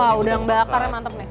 wah udang bakarnya mantap nih